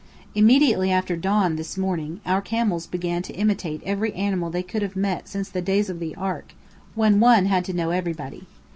Immediately after dawn this morning, our camels began to imitate every animal they could have met since the days of the Ark, when one had to know everybody.